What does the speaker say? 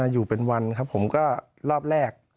อยู่เป็นวันครับผมก็รอบแรก